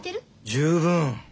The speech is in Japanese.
十分。